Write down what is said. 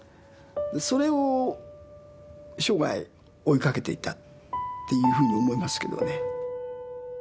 それを生涯追いかけていたっていうふうに思いますけどね。